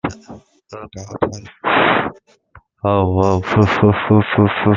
Le Français Geoffrey Lafarge réalise la meilleure performance lors de l'épreuve de fond.